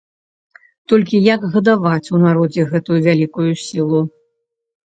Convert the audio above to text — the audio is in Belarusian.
Толькі як гадаваць у народзе гэтую вялікую сілу?